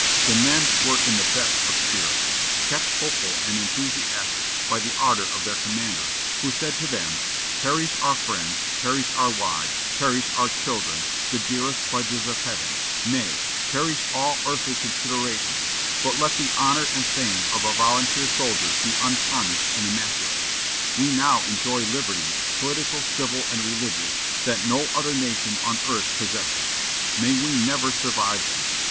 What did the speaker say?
The men were in the best of spirits, kept hopeful and enthusiastic by the ardor of their commander, who said to them: "Perish our friends perish our wives perish our children (the dearest pledges of Heaven) nay, perish all earthly considerations but let the honor and fame of a volunteer soldier be untarnished and immaculate. We now enjoy liberties, political, civil, and religious, that no other nation on earth possesses. May we never survive them!